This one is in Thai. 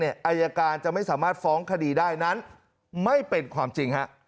อายการจะไม่สามารถฟ้องคดีได้นั้นไม่เป็นความจริง